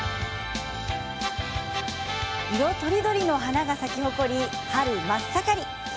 色とりどりの花が咲き誇り春真っ盛り。